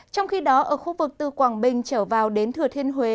trong khi đó ở khu vực từ quảng bình trở vào đến thừa thiên huế